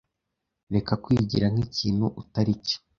Reka kwigira nkikintu utari cyo.